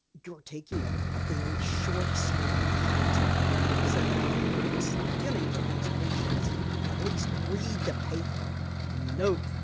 "You're taking a very short sighted attitude," said Ralph Fergus, beginning to lose patience. "At least read the paper." "No."